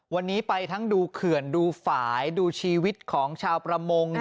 วันนี้ไปทั้งดูเขื่อนดูฝ่ายดูชีวิตของชาวประมง